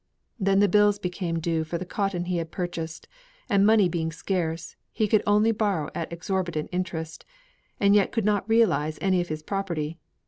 Then the bills became due for the cotton he had purchased; and money being scarce, he could only borrow at exorbitant interest, and yet he could not realise any of his property.